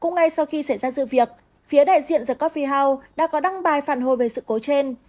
ngay sau khi xảy ra sự việc phía đại diện the cophi house đã có đăng bài phản hồi về sự cố trên